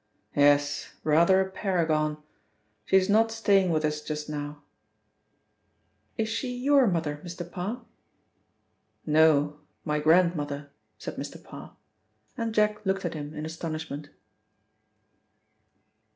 "Yes, rather a paragon; she is not staying with us just now." "Is she your mother, Mr. Parr?" "No, my grandmother," said Mr. Parr, and Jack looked at him in astonishment.